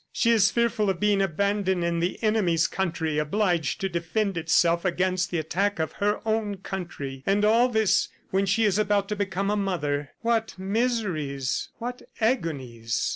She is fearful of being abandoned in the enemy's country obliged to defend itself against the attack of her own country. ... And all this when she is about to become a mother. What miseries! What agonies!"